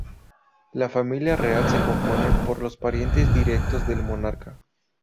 La Familia Real se compone por los parientes directos del Monarca.